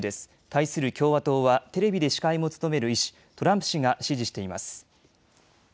対する共和党はテレビで司会も務める医師、トランプ氏が支持しています。